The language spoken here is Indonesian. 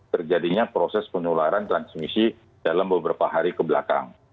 terjadinya proses penularan transmisi dalam beberapa hari kebelakang